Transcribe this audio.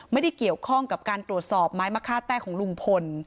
ไม่ได้เกี่ยวข้องกับการตรวจสอบไม้มะค่าแต้ของลุงพล